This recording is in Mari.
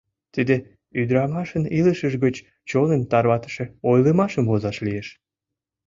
Тиде ӱдырамашын илышыж гыч чоным тарватыше ойлымашым возаш лиеш...